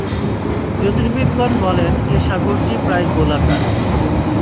জ্যোতির্বিদগণ বলেন, এ সাগরটি প্রায় গোলাকার।